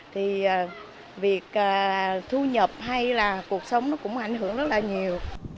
thì việc thu nhập hay là cuộc sống nó cũng ảnh hưởng rất là nhiều